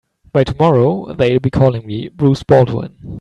By tomorrow they'll be calling me Bruce Baldwin.